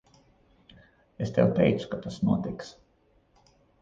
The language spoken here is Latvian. Es tev teicu, ka tas notiks.